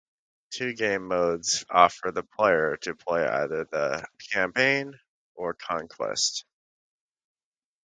Two game modes offer the player to play either the campaign or conquest.